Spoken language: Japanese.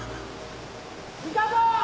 いたぞ！